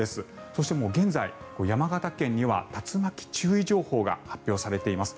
そして現在、山形県には竜巻注意情報が発表されています。